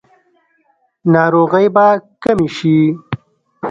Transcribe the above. ناروغۍ به کمې شي؟